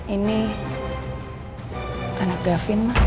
ini anak gavin ma